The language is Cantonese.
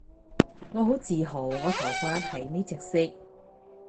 我好自豪我頭髮係呢隻色